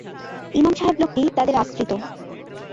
ইমাম সাহেব লোকটি তাদের আশ্রিত।